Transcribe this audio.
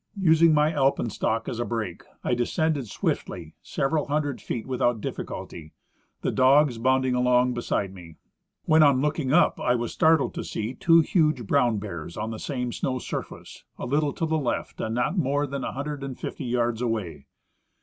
Using my alpenstock as a brake, I descended swiftly several hundred feet without difficulty, the dogs hounding along beside ine, when on looking up I was startled to see two huge brown bears on the same snow surface, a little to the left and not more than a hundred and fifty yards aAvay.